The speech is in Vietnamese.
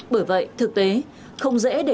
bởi vậy thực tế không dễ để